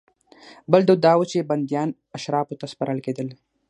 بل دود دا و چې بندیان اشرافو ته سپارل کېدل.